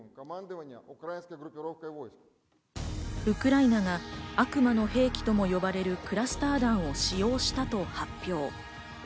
ウクライナが悪魔の兵器とも呼ばれるクラスター弾を使用したと発表。